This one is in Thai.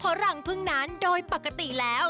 เพราะรังพึ่งนั้นโดยปกติแล้ว